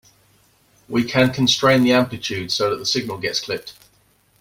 We can constrain the amplitude so that the signal gets clipped.